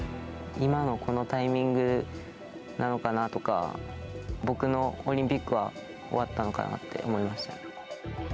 今のこのタイミングなのかなとか、僕のオリンピックは終わったのかなって思いましたね。